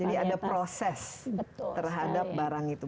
jadi ada proses terhadap barang itu